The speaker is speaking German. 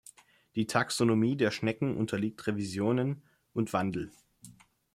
Die Taxonomie der Schnecken unterliegt Revisionen und Wandel.